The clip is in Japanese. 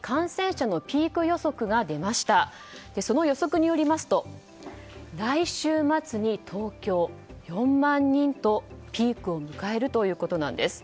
その予測によりますと来週末に東京では４万人とピークを迎えるということです。